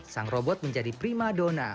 sang robot menjadi prima dona